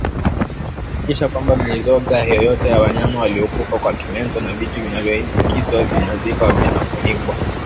Hakikisha kwamba mizoga yoyote ya wanyama waliokufa kwa kimeta na vitu vilivyoambukizwa vinazikwa vinafukiwa